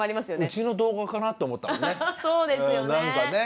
うちの動画かなと思ったもんね。